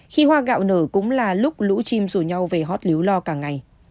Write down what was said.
khi hoa gạo nở cũng là lúc lũ chim rủ nhau về hót lý lo cả ngày